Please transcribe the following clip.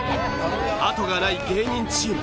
あとがない芸人チーム。